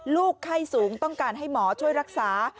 ลูกไข้สูงต้องการให้หมอช่วยรักษา